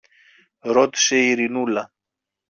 ρώτησε η Ειρηνούλα.